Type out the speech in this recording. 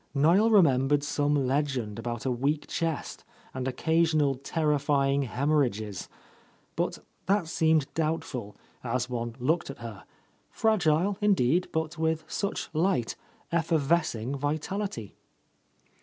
NIel rememberecj some legend about a weak chest and occasional terrifying hem orrhages. But that seemed doubtful, as one looked at her, — fragile, indeed, but with such light, effervescing vitality.